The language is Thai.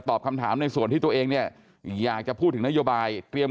คำถามในส่วนที่ตัวเองเนี่ยอยากจะพูดถึงนโยบายเตรียม